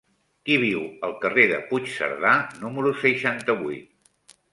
Qui viu al carrer de Puigcerdà número seixanta-vuit?